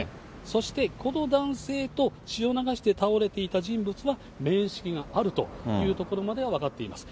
そして、この男性と血を流して倒れていた人物は面識があるというところまでは分かっています。